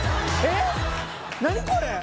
何これ！？